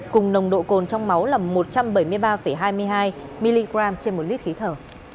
cùng nồng độ cồn trong máu là một trăm bảy mươi ba hai mươi hai mg trên một lít khí thở